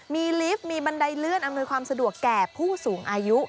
มีลิฟต์มีบันไดเลื่อนอำนวยความสะดวกแก่ผู้สูงอายุ